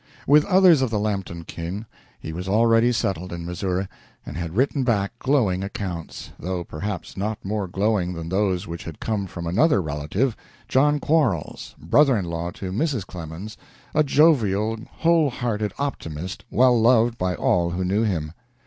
With others of the Lampton kin, he was already settled in Missouri and had written back glowing accounts; though perhaps not more glowing than those which had come from another relative, John Quarles, brother in law to Mrs. Clemens, a jovial, whole hearted optimist, well loved by all who knew him.